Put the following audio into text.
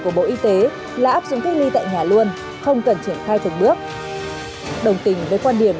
của bộ y tế là áp dụng cách ly tại nhà luôn không cần triển khai từng bước đồng tình với quan điểm